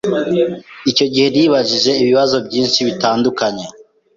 icyo gihe nibajije ibibazo byinshi bitandukanye